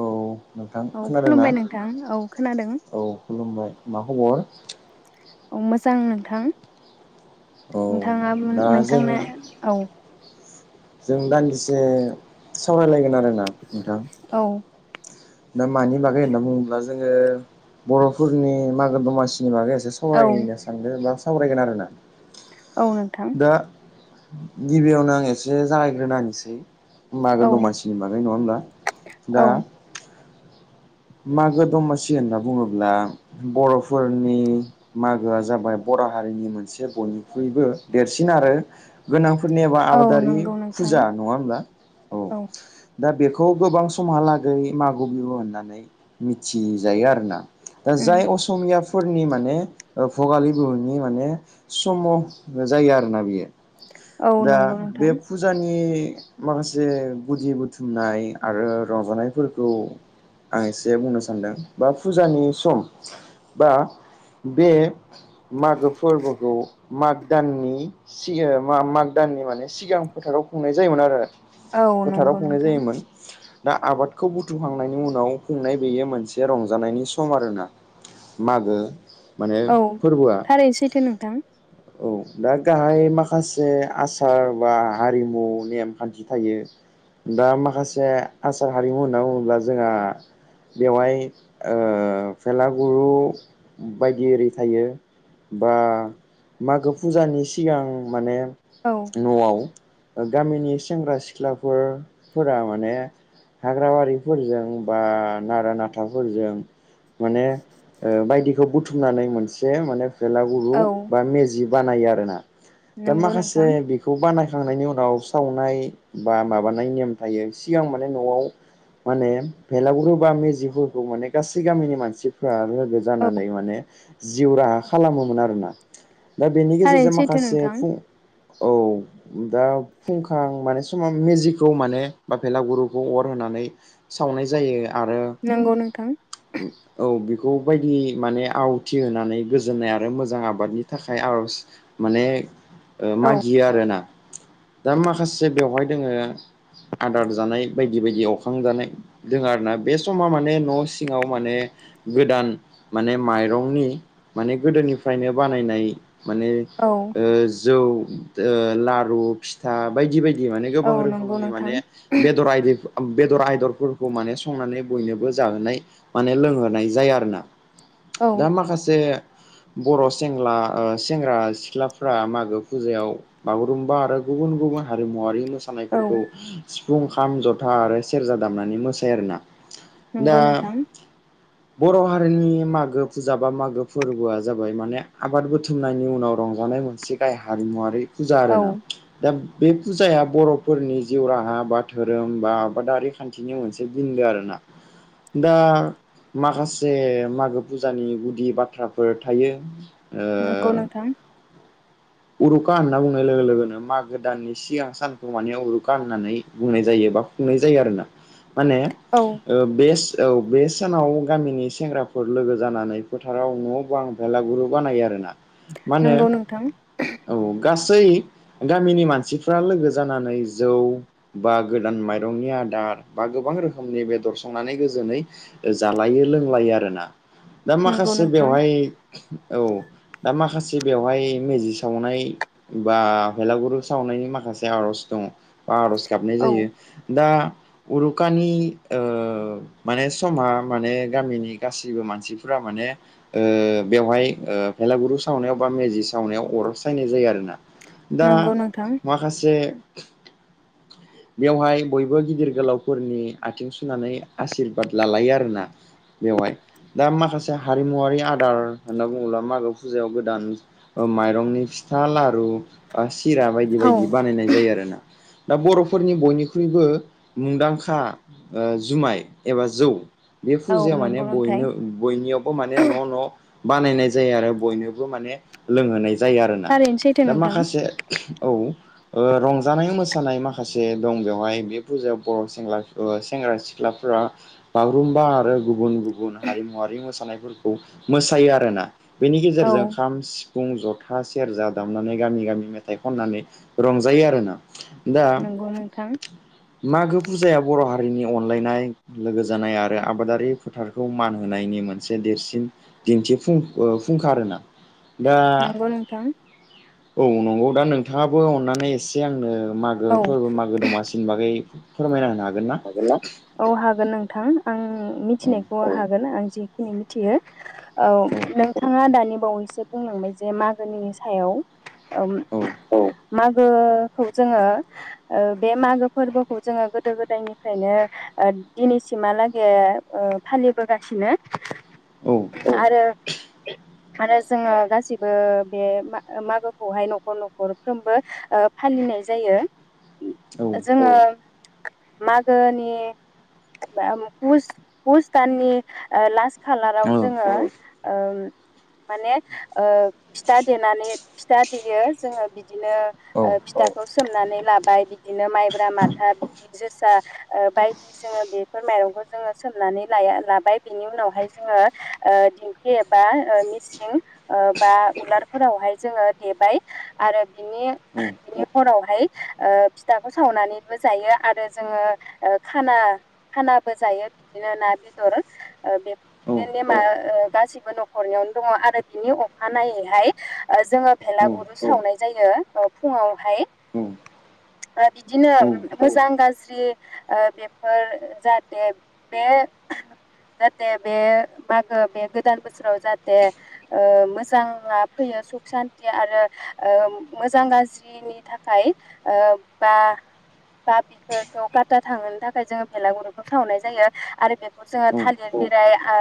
औ नोंथां औ खोनादोंना खुलुमबाय नोंथां औ खोनादों। औ खुलुमबाय मा खबर। ओ मोजां नोंथां औ नोंथाङाबो दा जों नोंथांनो औ। जों दान्दिसे सावरायलायगोन मानोना नोंथां। औ दा मानि बागै होनना बुङोब्ला जोंङो बर'फोरनि मागो दमासि जों आरो एसे औ सावरायनो सानदो बा सावरायगोन आरोना औ नोंथां दा गिबियावनो आं एसे जागायग्रोनाहोनोसै मागो औ दमासिनि बागै नङा होनब्ला औ दा मागो दमासि होनना बुङोब्ला बरफोरनि मागोआ जाबाय बर हारिनि मोनसे बयनिख्रुइबो देरसिन आरो गोनां [unintelligible] निबा औ आबादारि नंगौ नोंथां फुजा नङा होमब्ला औ दा बेख खौ गोबां समहालागै मागो बिहु होननानै मिथिजायो आरो ना दा उम जाय असमिया फोरनि माने भगालि बिुहुनि माने सम जायो आरोना बियो औ दा नंगौ बे नोंथां फुजानि माखासे गुदि बुथुमनाय आरो रंजानायफोरखौ आं एसे बुंनो सानदों बा फुजानि सम बा बे मागो फोरबोखौ माग दाननि सि [unintelligible] मा माग दाननि माने सिगां फोथाराव खुंनाय जायोमोन आरो औ फोथाराव नंगौ खुंनाय नोंथां जायोमोन दा आबादखौ बुथुमखांनायनि उनाव खुंनाय बेयो मोनसे रंजानायनि सम आरोना मागो माने औ फोरबोआ थारैनो सैथो नोंथां औ दा गाहाय माखासे आसार बा हारिमु नेमखान्थि थायो दा माखासे आसार हारिमु होनना बुङोब्ला जोंहा बेवहाय ओ भेलागुरु बायदि ओरि थायो बा मागो फुजानि सिगां माने औ न'आव गामिनि सेंग्रा सिख्लाफोर फोरा माने हाग्राबारिफोरजों बा नारा नाथाफोरजों माने ओ बायदि बेखौ बुथुमनानै मोनसे माने बेलागुरु औ बा मेजि बानायो आरो ना दा नंगौ माखासे नोंथां बेखौ बानाय खांनायनि उनाव सावनाय बा माबानाय नेम थायो सिगां माने न'आव माने भेलागुरु बा मेजिफोरखौ माने गासै गामिनि मानसिफ्रा रो औ जानानै माने जिउ राहा खालामोमोन आरोना दा बेनि थारैनो गेजेरजों सैथो माखासे नोंथां फुं औ दा फुंखां माने समाव मेजिखौ माने बा पेलागुरुखौ अर होनानै सावनाय जायो। आरो नंगौ नोंथां औ बि खौ बायदि माने आवथि होनानै गोजोननाय आरो मोजां आबादनि थाखाय आरज माने ओ औ मागियो आरो ना दा माखासे बेवहाय दोङो आदार जानाय बायदि बायदि एवखां जानाय दोङो आरोना? बे समा माने न सिङाव माने गोदान माने माइरंनि माने गोदोनिफ्रायनो बानायनाय माने औ ओ जौ ओ लारु फिथा बायदि बायदि दि माने औ गोबां नंगौ रोखोमनि नोंथां माने बेदर आयदिफो बेदर आयदरफोरखौ माने स संनानै बयनोबो जाहोनाय माने लोंहोनाय जाया आरोना। औ दा माखासे। बर सेंग्ला ओ सेंग्रा सिख्लाफ्रा मागो फुजायाव बागुरुम्बा आरो गुबुन गुबुन हारिमुवारि मोस औ मोसानायफोरखौ सिफुं खाम जथा आरो सेरजा दामनानै मोसायो आरोना? दा नोंगौ नोंथां। बर' हारिनि मागो फुजा बा मागो फोरबोआ जाबाय माने आबाद बुथुमनायनि उनाव रंजानाय मोनसे गाहाय हारिमुवारि फुजा औ आरोना बे फुजाया बरफोरनि जिउ राहा बा धोरोम बा आबादारि खान्थिनि मोनसे बिन्दो आरो ना दा माखासे मागो फुजानि गुदि बाथ्राफोर थायो। नोंगौ ओ नोंथां उरुखा होनना बुंनाय लोगो लोगोनो मागो दाननि सिगां सानखौ माने उरुखा होननानै बुंनाय जायो बा खुंनाय जायो आरोना माने औ ओ बेस औ बे सानाव गामिनि सेंग्राफोर लोगो जानानै फोथाराव न बां भेलागुरु बानायो आरोना। मा होनो नोंगौ नोंथां। औ गासै गामिनि मानसिफ्रा लोगो जानानै जौ बा गोदान माइरंनि आदार बा गोबां रोखोमनि बेदर संनानै गोजोनै जालायो लोंलायो आरोना। दा नंगौ माखासे नोंथां बेवहाय औ दा माखास बेवहाय मेजिसे सावनाय बा भेलागुरु सावनायनि माखासे आरज दङ। बा आरज गाबनाय औ जायो दा उरुखानि ओ माने समा माने गामिनि गासिबो मानसिफोरा माने ओ बेवहाय ओ भेलागुरु सावनायाव बा मेजि सावनायाव अर सायनाय जायो आरोना। दा नंगौ नोंथां माखासे [inaudible] बेवहाय बयबो गिदिर गोलावफोरनि आथिं सुनानै आसिरबाद लालायो आरोना बेवहाय दा माखासे हारिमुवरारि आदार होनना बुङोब्ला मागो फुजायाव गोदान ओ माइरंनि फिथा लारु ओ सि किरा बायदि बायदि औ बानायनाय जायो आरोना। दा बरफ फोरनि बयनिख्रुइबो मुंदांखा ओ जुमाय एबा जौ। बे फुजाया माने नंगौ नोंथां बयनो बयनियावबो माने न' न' बानायनाय जाया आरो बयनोबो माने लोंहोनाय जायो आरोना थारैनो सैथो दा नोंथां माखासे औ। ओ रंजानाय मोसानाय माखा खासे दं बेवहाय बे फुजायाव बर सेंला सेंग्रा सिख्लाफोरा बागुरुम्बा आरो गुबुन गुबुन हारिमुवारि मोसानायफोरखौ मोसायो आरोना। बेनि औ गेजेरजों खाम सि फुं जथा सेरजा दामनानै गामि गामि मेथाइ खननानै रंजायो आरोना। दा। नंगौ नोंथां मागो फुजायाव। बर हारिनि अनलायनाय लोगो जानाय आरो आबादारि फोथारखौ मान होनायनि मोनसे देरसिन दिन्थिफुं ओ फुंखा आरोना। दा नंगौ नोंथां। औ नंगौ दा नोंथाङाबो अननानै एसे आंनो। मागो औ फोर्बो मागो दमासिनि बागै। फोरमायना होनो हा हागोन्ना? औ हागोन नों थां आं। ओ औ मिथिनायखौ हागोन आं। जिखिनि मिथियो। औ नोंथाङा दानि। बावैसो बुंलांबाय जे मागोनिनो सायाव ओम औ मागोखौ जोङो दायनिफ्रायनो ओ दिनैसिमहालागै ओ फालिबोगासिनो औ आरो आरो जोङो गाैबो बे मा-मागोखौहाय नखर नखरफ्रोमबो ओ फालिनाय जायो औ जोङो। मागोनि फुस-फुस दाननि ओ लास्ट खालाराव जोङो ओ माने ओ फिथा देनानै फिथा देयो जोङो बिदिनो औ ओ फिथाखौ सोमनानै लाबाय बिदिनो माइब्रा माथा बिदि। जोसा ओ बायदि जोङो बेफोर माइरंखौ जोङो सोमनानै लायो लाबाय बिनि उनावहाय जोङो ओ दिंखि एबा ओ मिसिं ओ बा उलारफोरावहाय जोङो देबाय आरो बिनि औ बिनि उनावहाय ओ फिथाखौ सावनानैबो जायो आर जोङो ओ खा-खानाबो जायो बिदिनो ना बेदर ओ बे औ नेमा ओ गासिबो नखरनियावनो दङ आरो बिनि अखानायैहाय जोङो औ भेलागुर सावनाय जायो ओ फुङावहाय बिदिनो मोजां गा स्रि ओ बेफोर जाहाथे बे जाहाथे बे मागो बे गोदान बोसोराव जाहाथे ओ मोजाङा फैयो सुख सान्थि आरो ओ मोजां गाज्रिनि थाखाय ओ बा बा फोरखौ गादा थांहोनो थाखाय जोङो भेलागुरखौ सावनाय जायो आरो बेखौ जोङो थालिर बिराय ओ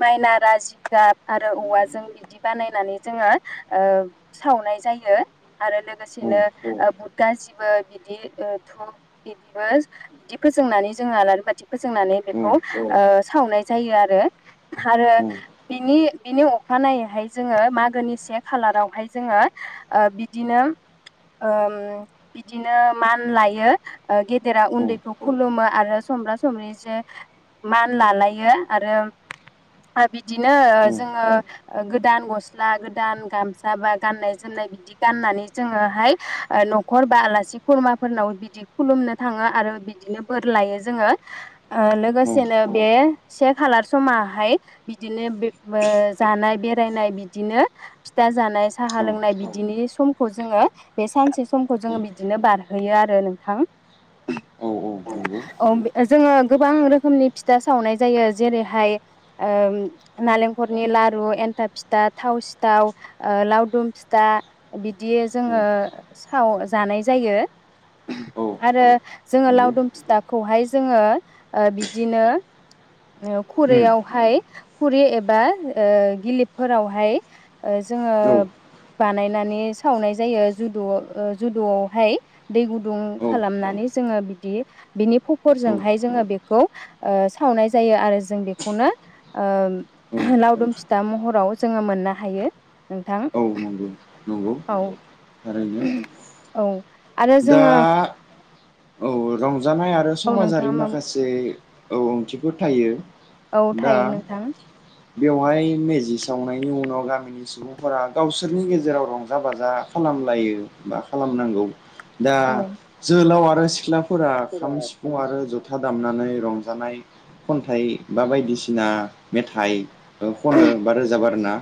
मायनारा जिगाब आरो औवाजों बिदि बानायनानै जोङो ओ सावनाय जायो। आरो लोगोसेनो ओ गासिबो बिदि ओ थ इदिबो इदि फोजोंनानै जोङो आलारि बाथि। फोजोंनानै बेखौ ओ सावनाय जायो आरो। हारो बिनि। बिनि अखानायनायैहाय जोङो मागोनि से खालारावहाय जोङो ओ बिदिनो ओम बिदिनो मान लाय। यो ओ गेदेरा उन्दैखौ खुलुमो आरो समब्रा समब्रि एसे मान लालायो आरो ओद बिदिनो ओ जोङो ओ गोदान गस्ला गोदान गामसा बा गाननाय जोमनाय बिदि गाननानै जोङोहाय ओ नखर बा आलासि खुरमाफोरनाव बि दि खुलुमनो थाङो आरो बिदिनो बोर लायो जोङो। ओ नंगौ लोगोसेनो बे से खालार समाहाय बिदिनो बे बो जानाय बे नाय बिदिनो फिथा जानाय साहा औ लोंनाय बिदिनि सम खौ जोङो बे सानसे समखौ जोङो बिदिनो बारहोयो आर [unintelligible] थां औ नंगौ अ बे जोङो गोबां रोखोमनि फिथा सावनाय जायो जेरैहाय ओम नालेंखरनि लारु एन्थाब फिथा थाव सिथाव ओ लावदुम फिथा बिदि जोङो सावो जानाय जायो। उम आरो औ जोङो लावदुम फिथाखौहाय जोङो ओ बिदिनो खुरैयावहाय खुरि एबा ओ गिलिपफोरावहाय ओ जोङो बानायनानै सावनाय जायो जुदुव ओ जुदुआवहाय दै गु दुं खालामनानै जोङो बिदि बिनि खफरजोंहाय जोङो बेखौ ओ सावनाय जायो आरो जों बेखौनो ओ औ लावदुम फि दा महराव जोङो मोननो हायो नोंथां औ नंगौ नंगौ औ थारैनो। औ आरो दा? जोङो औ रं रजानाय आरो औ समाजारि नोंथाङा माखासे औ ओंथिफोर थायो औ दा थायो नोंथां। बेवहाय मेजि सावनायनि उनाव गामिनि सुबुंफोरा गावसोरनि गेजेराव रंजा बाजा खालामलायो बा खालामनांगौ दा औ जोहोलावा फ्रा सिख्ला फोरा खाम सिफुं आरो जथा दामनानै रं नाय खन्थाइ बा बायदिसिना मेथाइ। खनो बा रोजाबो आरोना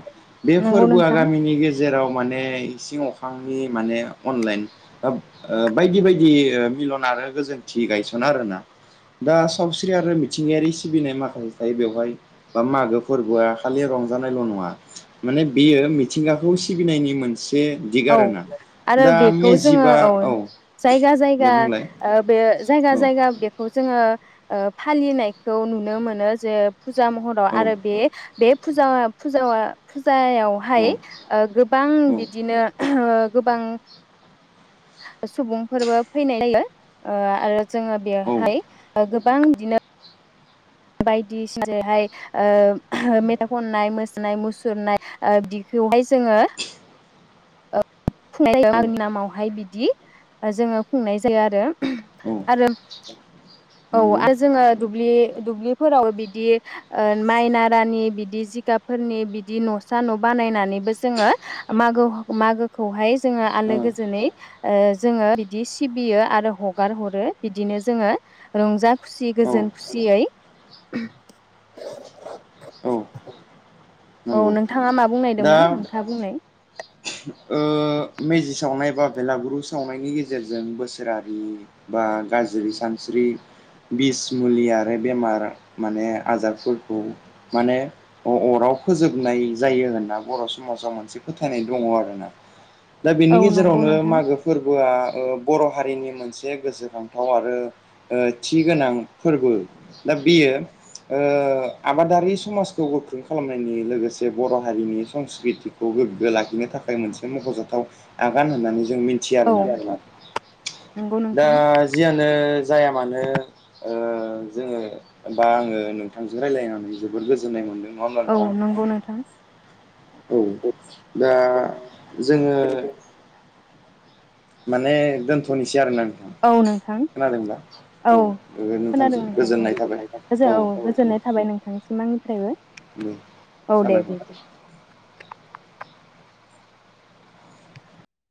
बे नंगौ फोरबोआ नोंथां गामिनि गेजेराव माने इसिं अखांनि माने अनलाइन बा ओ बायदि बायदि ओ मिलन आरो गोजोनथि गायसना आरोना दा सावस्रि आरो मिथिंगायारि सिबिनाय माखासे थायो बेवहाय बा मागो फोरबोआ खालि रंजानायल नङा माने बेयो मिथिंगाखौ सिबिनायनि मोन से औ दिगारोना आरो दा बेखौ जोङो मेजिबा औ औ जायगा दे जायगा बुंलाय ओ बे जायगा औ जायगा बेखौ जोङो फालिनायखौ नुनो मोनो जे फुजा महराव औ आरो बे बे फुजा फुजा औ फुजायावहाय ओ गोबां बिदिनो गोबां सुबुंफोरबो फैनाय जायो ओ आरो जोङो औ बेवहाय गो गोबां दिनो बायदि [unintelligible] हाय ओ मेथाइ खननाय मोसानाय मुसुरनाय ओ बिखौहाय जोङो औ [unintelligible] नामावहाय बिदि जोङो खुंनाय जायो आरो औ आरो नंगौ औ जोङो दुब्लि दुब्लिफोरावबो बिदि ओ माइ नारानि बिदि जिगाबफोरनि बिदि न'सा न' बानायनानैबो जोङो मागोख मागो खौहाय जोङो आलो औ गोजोनै जोङो बिदि सिबियो आरो हगार हरो बिदिनो जोङो रंजा खुसि औ गोजोन खुसियै औ औ नों नंगौ नोंथाङा मा दा बुंनायदोंमोन नोंथाङा बुंनाय। ओ मेजि सावनाय बा बेलागुरु सावनायनि गेजेरजों बोसोरारि बा गाज्रि सानस्रि बिस मुलि आरो बेमार माने आजारफोरखौ माने अराव फोजोबनाय जायो होनना बर' समाजाव मोनसे फोथायनाय दङ आरो। [unintelligible] दा औ बेनि नंगौ गेजेरावनो नोंथां मागो फोरबोआ अ बर' हारिनि मोनसे गोसोखांथाव आरो ओ थि गोनां फोरबो दा बेयो ओ आबादारि समाजखौ गोख्रों खालामनायनि लोगोसे बर‌' हारिनि संस्कृतिखौ गोग्गो लाखिनो थाखाय मोनसे मखजाथाव आगान होननानै जों मिथिया औ आरोना नोंथां नंगौ दा नोंथां जियानो जाया मानो ओ जोङो बा आङो नोंथांजों रायज्लायनानै जोबोद गोजोननाय मोनदों। नङा होमब्ला औ नोंथां नंगौ नोंथां औ दा जोङो माने दोनथनोसै आरो ना औ नोंथां औ ओ खोनादों नोंथांजों नोंथांखौ गोजोननाय थाबाय गोजोन औ दे गोजोननाय थाबाय नोंथांनि आंनिफ्रायबो दे औ दे साबायखर बिदि